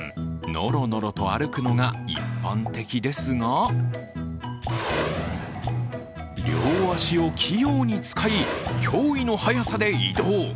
のろのろと歩くのが一般的ですが両足を器用に使い、驚異の速さで移動。